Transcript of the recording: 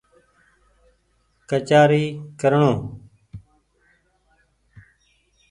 ڪچآري ڪرڻو